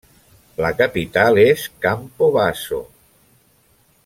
La capital és Campobasso.